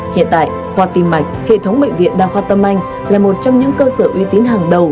hiện tại khoa tìm mạch hệ thống bệnh viện đa khoa tâm anh là một trong những cơ sở uy tín hàng đầu